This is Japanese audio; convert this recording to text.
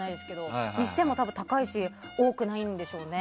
それにしても高いし多くないんでしょうね。